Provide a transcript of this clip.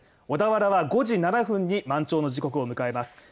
小田原は５時７分に満潮の時刻を迎えます